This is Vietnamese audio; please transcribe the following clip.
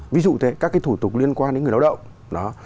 ví dụ thế các cái thủ tục liên quan đến người lao động